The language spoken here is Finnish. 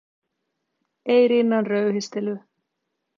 Ei rinnan röyhistelyä.